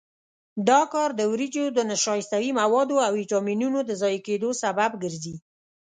دا کار د وریجو د نشایستوي موادو او ویټامینونو د ضایع کېدو سبب ګرځي.